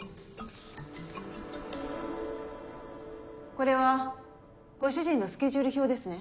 これはご主人のスケジュール表ですね？